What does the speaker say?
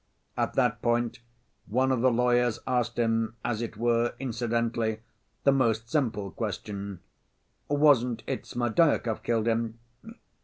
"At that point one of the lawyers asked him, as it were incidentally, the most simple question, 'Wasn't it Smerdyakov killed him?